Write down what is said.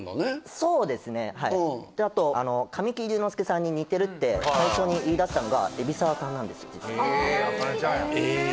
そうですねはいあと神木隆之介さんに似てるって最初に言いだしたのが海老沢さんなんですよ